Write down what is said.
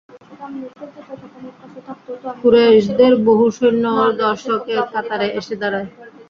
কুরাইশদের বহু সৈন্যও দর্শকের কাতারে এসে দাঁড়ায়।